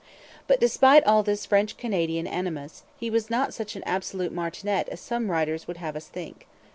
But, despite all this French Canadian animus, he was not such an absolute martinet as some writers would have us think.